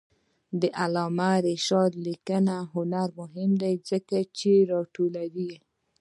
د علامه رشاد لیکنی هنر مهم دی ځکه چې راټولوي.